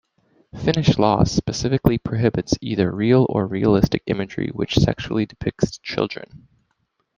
Finnish law specifically prohibits either real or realistic imagery which sexually depicts children.